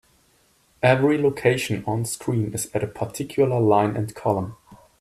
Every location onscreen is at a particular line and column.